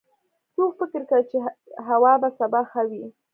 څوک فکر کوي چې هوا به سبا ښه وي